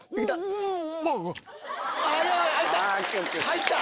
入った！